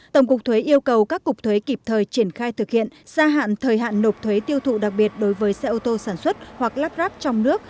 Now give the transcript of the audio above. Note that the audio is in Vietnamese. tổng cục thuế yêu cầu các cục thuế kịp thời triển khai thực hiện gia hạn thời hạn nộp thuế tiêu thụ đặc biệt đối với xe ô tô sản xuất hoặc lắp ráp trong nước